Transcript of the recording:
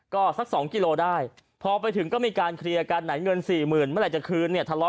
ก็สัก๒กิโลได้พอไปถึงก็มีการเคลียร์กันไหนเงิน๔๐๐๐๐เมื่อไหร่จะคืนเนี่ย